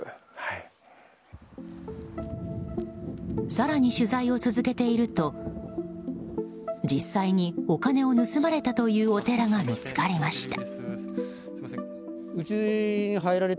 更に取材を続けていると実際にお金を盗まれたというお寺が見つかりました。